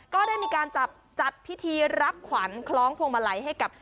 ก็ได้มีการจับจัดพิธีรับขวัญคล้องพวงมาลัยให้กับ